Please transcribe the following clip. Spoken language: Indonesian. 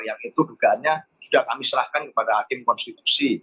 yang itu dugaannya sudah kami serahkan kepada hakim konstitusi